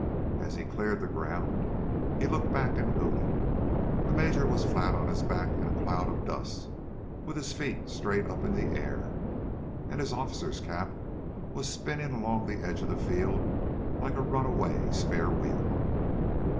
As he cleared the ground, he looked back and hooted. The major was flat on his back in a cloud of dust, with his feet straight up in the air. And his officer's cap was spinning along the edge of the field like a runaway spare wheel.